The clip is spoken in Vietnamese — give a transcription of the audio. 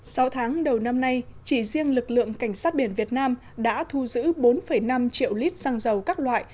sau tháng đầu năm nay chỉ riêng lực lượng cảnh sát biển việt nam đã thu giữ bốn năm triệu lít xăng dầu các loại